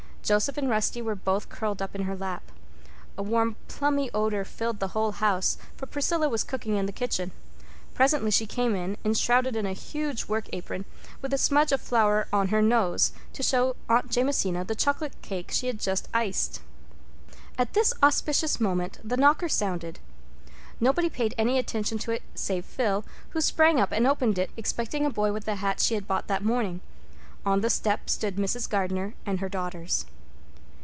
Joseph and Rusty were both curled up in her lap. A warm plummy odor filled the whole house, for Priscilla was cooking in the kitchen. Presently she came in, enshrouded in a huge work apron, with a smudge of flour on her nose, to show Aunt Jamesina the chocolate cake she had just iced. At this auspicious moment the knocker sounded. Nobody paid any attention to it save Phil, who sprang up and opened it, expecting a boy with the hat she had bought that morning. On the doorstep stood Mrs. Gardner and her daughters.